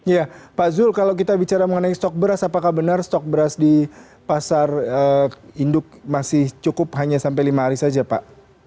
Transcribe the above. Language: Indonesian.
ya pak zul kalau kita bicara mengenai stok beras apakah benar stok beras di pasar induk masih cukup hanya sampai lima hari saja pak